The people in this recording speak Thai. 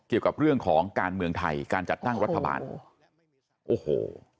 เกี่ยวกับเรื่องของการเมืองไทยการจัดตั้งรัฐบาลโอ้โห